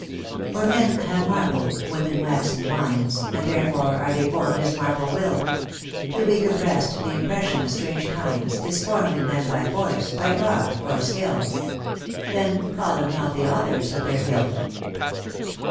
"For men have marble, women waxen, minds, And therefore are they formed as marble will; The weak oppress'd, the impression of strange kinds, Is form'd in them by force, by fraud, or skill: Then call them not the authors of their ill."